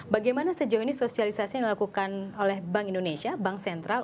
bagaimana sejauh ini sosialisasi yang dilakukan oleh bank indonesia bank sentral